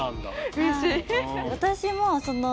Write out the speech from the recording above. うれしい。